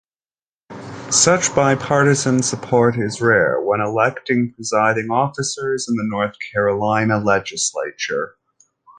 Such bipartisan support is rare when electing presiding officers in the North Carolina legislature.